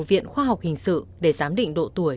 viện khoa học hình sự để giám định độ tuổi